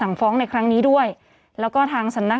ผู้ต้องหาที่ขับขี่รถจากอายานยนต์บิ๊กไบท์